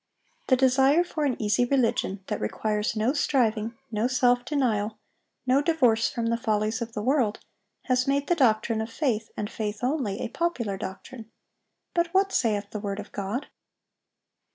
The desire for an easy religion, that requires no striving, no self denial, no divorce from the follies of the world, has made the doctrine of faith, and faith only, a popular doctrine; but what saith the word of God?